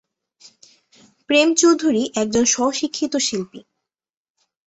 প্রেম চৌধুরী একজন স্ব-শিক্ষিত শিল্পী।